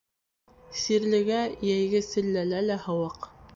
Сирлегә йәйге селләлә лә һыуыҡ.